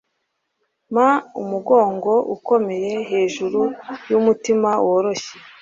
mpa umugongo ukomeye, hejuru y'umutima woroshye